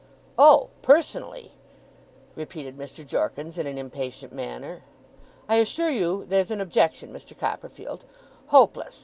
'Oh! Personally!' repeated Mr. Jorkins, in an impatient manner. 'I assure you there's an objection, Mr. Copperfield. Hopeless!